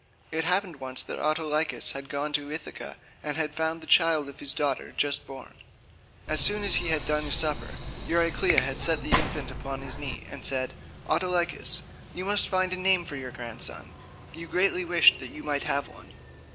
It happened once that Autolycus had gone to Ithaca and had found the child of his daughter just born. As soon as he had done supper Euryclea set the infant upon his knees and said, "Autolycus, you must find a name for your grandson; you greatly wished that you might have one."